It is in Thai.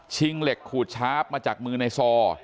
ชิงเหล็กขูดชาร์ฟมาจากมือนายซอร์